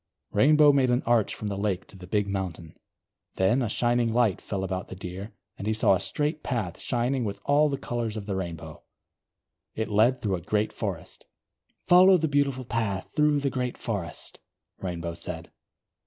Rainbow made an arch from the lake to the big mountain. Then a shining light fell about the Deer, and he saw a straight path shining with all the colours of the Rainbow. It led through a great forest. "Follow the beautiful path through the great forest," Rainbow said.